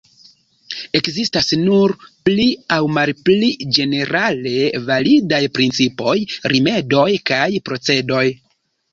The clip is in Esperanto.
Ekzistas nur pli aŭ malpli ĝenerale validaj principoj, rimedoj kaj procedoj.